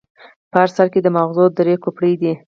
په هر سر کې یې د ماغزو درې کوپړۍ دي.